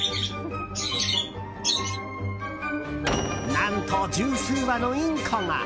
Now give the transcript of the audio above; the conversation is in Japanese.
何と、十数羽のインコが！